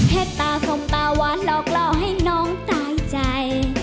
เห็ดตาสมตาหวานหลอกให้น้องตายใจ